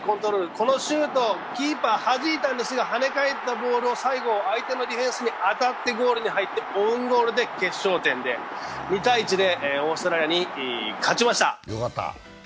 このシュート、キーパーはじいたんですが、跳ね返ったボール、相手の選手に当たってゴールに入って、オウンゴールで決勝点で、２−１でオーストラリアに勝ちました。